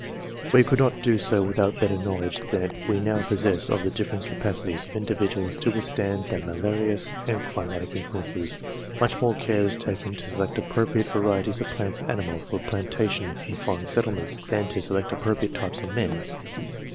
We could not do so without better knowledge than we now possess of the different capacities of indivi duals to withstand their malarious and climatic influences. Much more care is taken to select appropriate varieties of plants and animals for plantation in foreign settlements, than to select appropriate types of men.